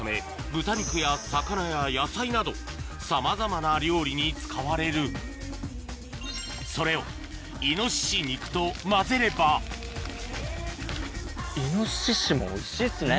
豚肉や魚や野菜などさまざまな料理に使われるそれを猪肉と混ぜれば猪もおいしいっすね。